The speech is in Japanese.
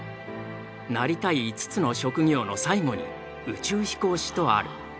なりたい５つの職業の最後に宇宙飛行士とある。